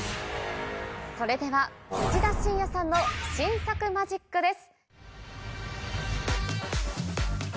それでは、内田伸哉さんの新作マジックです。